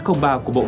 của bộ công an